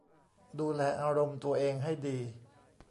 ดูแลอารมณ์ตัวเองให้ดี